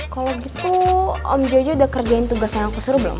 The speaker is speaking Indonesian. kalo gitu om jojo udah kerjain tugas yang aku suruh belum